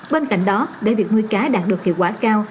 bên cạnh đó để việc nuôi cá đạt được hiệu quả cao